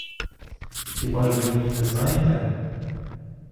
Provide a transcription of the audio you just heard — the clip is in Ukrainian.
Хіба ж ви її не знаєте?